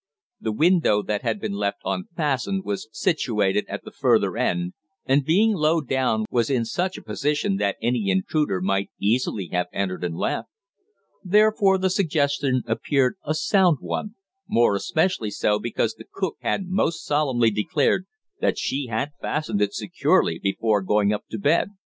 The window that had been left unfastened was situated at the further end, and being low down was in such a position that any intruder might easily have entered and left. Therefore the suggestion appeared a sound one more especially so because the cook had most solemnly declared that she had fastened it securely before going up to bed.